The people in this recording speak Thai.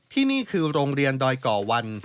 ที่นี่คือโรงเรียนดอยก่อวัน